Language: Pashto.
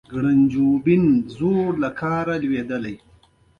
ګوړه یې هم په همدې مېله کې واخیستله.